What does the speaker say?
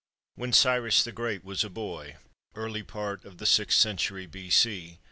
WHEN CYRUS THE GREAT WAS A BOY [Early part of sixth century B.C.